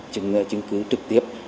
chứng cứ trực tiếp